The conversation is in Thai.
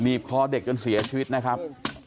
บคอเด็กจนเสียชีวิตนะครับ